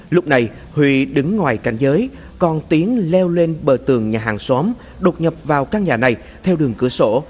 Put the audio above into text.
lúc này huy đứng ngoài cảnh giới còn tiến leo lên bờ tường nhà hàng xóm đột nhập vào căn nhà này theo đường cửa sổ